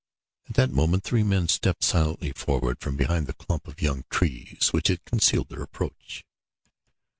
At that moment three men stepped silently forward from behind the clump of young trees which had concealed their approach.